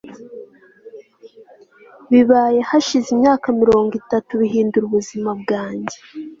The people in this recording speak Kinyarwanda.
bibaye hashize imyaka mirongo itatu bihindura ubuzima bwanjye